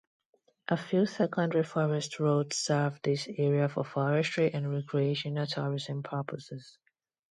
A few secondary forest roads serve this area for forestry and recreational tourism purposes.